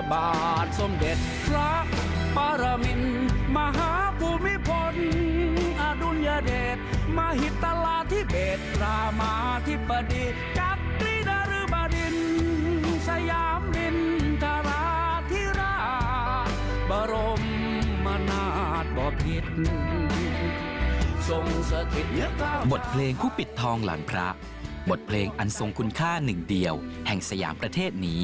บทบาทเพลงคู่ปิดทองหลังพระบทเพลงอันทรงคุณค่าหนึ่งเดียวแห่งสยามประเทศนี้